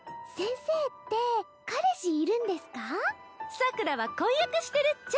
サクラは婚約してるっちゃ。